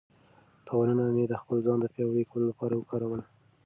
تاوانونه مې د خپل ځان د پیاوړي کولو لپاره وکارول.